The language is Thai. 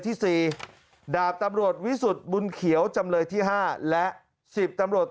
ที่๔ดาบตำรวจวิสุทธิ์บุญเขียวจำเลยที่๕และ๑๐ตำรวจ